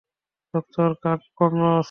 Doctor Curt Connors.